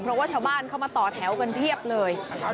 เพราะว่าชาวบ้านเข้ามาต่อแถวกันเพียบเลย